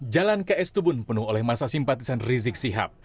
jalan ks tubun penuh oleh masa simpatisan rizik sihab